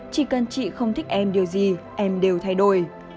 chỉ cần chị không thích em điều gì em đều thay đổi